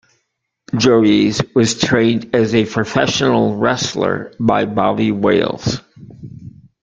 Droese was trained as a professional wrestler by Bobby Wales.